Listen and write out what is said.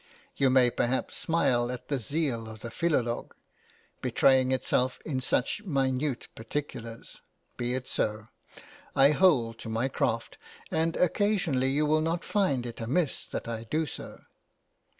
You may perhaps smile at the zeal of the "philolog" betraying itself in such minute particulars. Be it so. I hold to my craft, and occasionally you will not find it amiss that I do so.